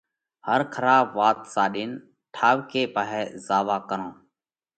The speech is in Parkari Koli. هر کراٻ وات ساڏينَ ٺائُوڪئہ پاهئہ زاوا ڪرونه۔